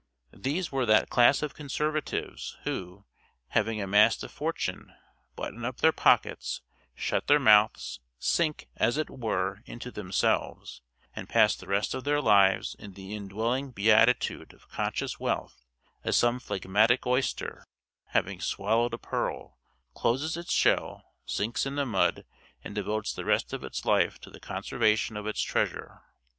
These were that class of "conservatives" who, having amassed a fortune, button up their pockets, shut their mouths, sink, as it were, into themselves, and pass the rest of their lives in the indwelling beatitude of conscious wealth; as some phlegmatic oyster, having swallowed a pearl, closes its shell, sinks in the mud, and devotes the rest of its life to the conservation of its treasure.